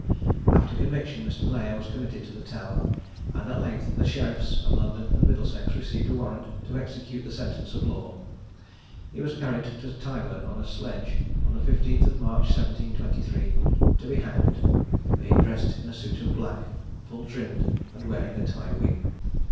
After conviction, Mr. Layer was committed to the Tower; and at length the sheriffs of London and Middlesex received a warrant to execute the sentence of the law. He was carried to Tyburn on a sledge, on the 15th March 1723, to be hanged, being dressed in a suit of black, full trimmed, and wearing a tie wig.